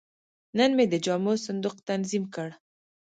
نن مې د جامو صندوق تنظیم کړ.